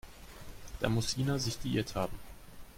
Da muss Ina sich geirrt haben.